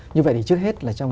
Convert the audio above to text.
như vậy thì trước hết là trong